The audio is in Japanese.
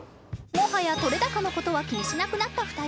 もはや撮れ高のことは気にしなくなった２人